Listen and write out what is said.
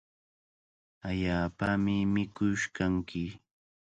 Allaapami mikush kanki.